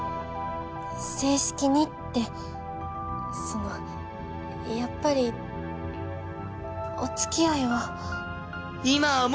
「正式に」ってそのやっぱりおつきあいを・